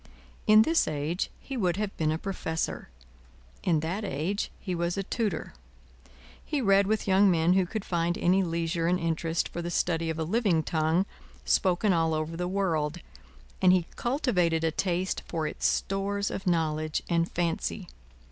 In this age, he would have been a Professor; in that age, he was a Tutor. He read with young men who could find any leisure and interest for the study of a living tongue spoken all over the world, and he cultivated a taste for its stores of knowledge and fancy.